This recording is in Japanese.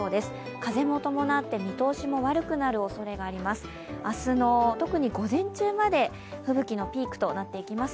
風も伴って見通しも悪くなるおそれがあります。